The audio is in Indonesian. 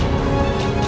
aku mau ke rumah